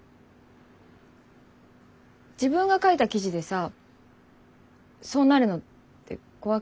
自分が書いた記事でさそうなるのって怖くない？